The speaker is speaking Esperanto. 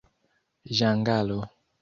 ĝangalo